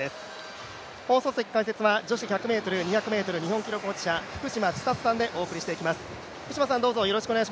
放送席解説は女子１００ｍ、２００ｍの日本記録保持者、福島千里さんでお送りしていきます。